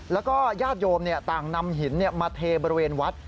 แล้วก็ญาติโยมต่างนำหินมาเทบริเวณวัด